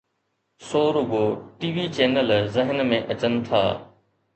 سو رڳو TV channel ذهن ۾ اچن ٿا.